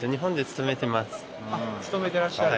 勤めてらっしゃる。